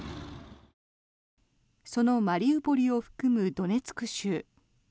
そのマリウポリを含むドネツク州。